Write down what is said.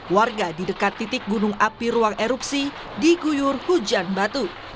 warga di dekat titik gunung api ruang erupsi diguyur hujan batu